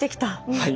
はい。